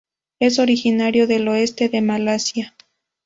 Es originario del oeste de Malasia.